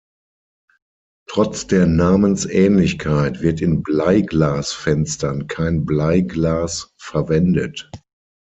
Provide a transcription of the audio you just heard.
Trotz der Namensähnlichkeit wird in Bleiglasfenstern kein Bleiglas verwendet.